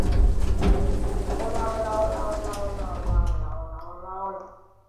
Otra versión cuenta que algunos refugiados de Doriath, durante su travesía, fundaron los puertos.